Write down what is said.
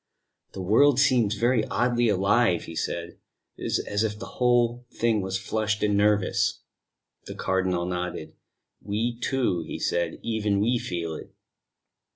"The world seems very oddly alive," he said; "it is as if the whole thing was flushed and nervous." The Cardinal nodded. "We, too," he said, "even we feel it."